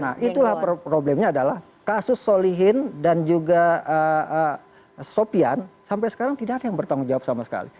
nah itulah problemnya adalah kasus solihin dan juga sopian sampai sekarang tidak ada yang bertanggung jawab sama sekali